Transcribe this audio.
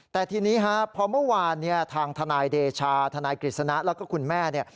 แต่ทีนี้ครับพอเมื่อวานทางทนายเดชาทนายกลิสณะและก็คุณแม่